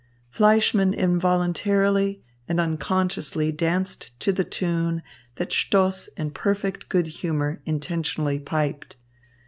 Fleischmann involuntarily and unconsciously danced to the tune that Stoss in perfect good humour intentionally piped.